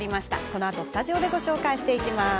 このあとスタジオでご紹介します。